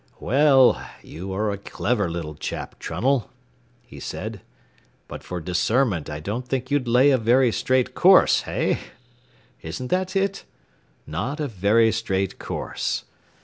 "Well, you are a clever little chap, Trunnell," he said; "but for discernment I don't think you'd lay a very straight course, hey? isn't that it? Not a very straight course.